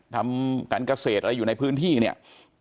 ทำการเกษตรอะไรอยู่ในพื้นที่เนี่ย